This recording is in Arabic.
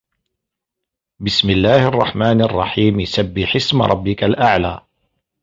بِسمِ اللَّهِ الرَّحمنِ الرَّحيمِ سَبِّحِ اسمَ رَبِّكَ الأَعلَى